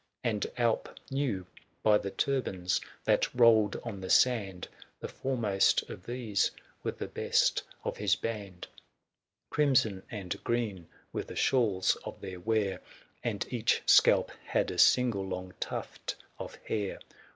420 And Alp knew, by the turbams that rolled on the sand, /' The foremost of these were the best of his band : Crimson and green were the shawls of their wear, And each scalp had a single long tuft of hair*.